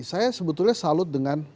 saya sebetulnya salut dengan